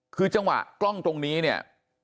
คือจังหวะกล้องตรงนี้เนี่ย